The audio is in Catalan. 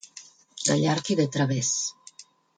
De llarg i de través.